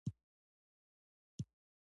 موقتي حکومت به یې یو فصل وي.